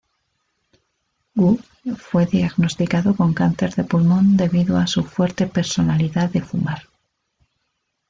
Wu fue diagnosticado con cáncer de pulmón debido a su fuerte personalidad de fumar.